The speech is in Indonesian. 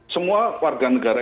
semua warga negara